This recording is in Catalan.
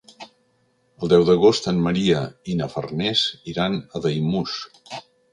El deu d'agost en Maria i na Farners iran a Daimús.